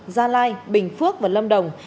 gia lai bình phước và lâm đồng